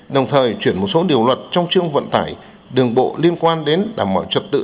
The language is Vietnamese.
đồng thời chuyển một số điều luật trong chương vận tải đường bộ liên quan đến đảm bảo trật tự